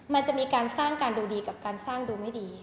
มันจะมีการสร้างการดูดีกับการสร้างดูไม่ดี